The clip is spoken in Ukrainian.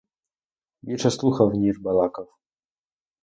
Більше слухав, ніж балакав.